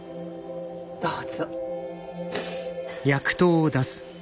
どうぞ。